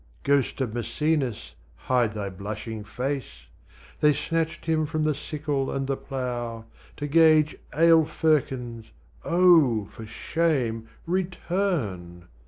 Ghost of Maecenas! hide thy blushing face! They snatched him from the sickle and the plough To gauge ale firkins. Oh! for shame return!